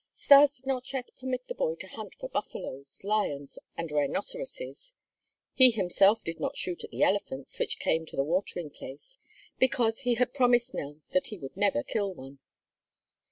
Stas did not yet permit the boy to hunt for buffaloes, lions, and rhinoceroses. He himself did not shoot at the elephants which came to the watering place, because he had promised Nell that he would never kill one.